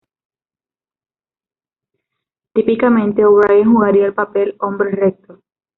Típicamente O'Brien jugaría el papel "hombre recto".